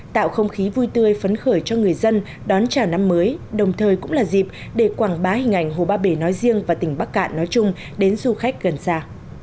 tạo không khí vui tươi phấn khởi cho người dân đón chào năm mới đồng thời cũng là dịp để quảng bá hình ảnh hồ ba bể nói riêng và tỉnh bắc cạn nói chung đến du khách gần xa